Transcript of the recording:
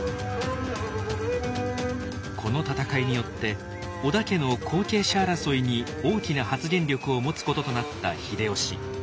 この戦いによって織田家の後継者争いに大きな発言力を持つこととなった秀吉。